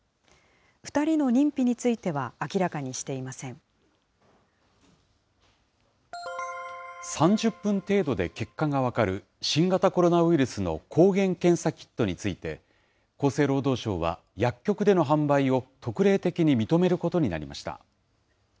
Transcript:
２人の認否については明らかにし３０分程度で結果が分かる、新型コロナウイルスの抗原検査キットについて、厚生労働省は、薬局での販売を特例的に認めることになりました。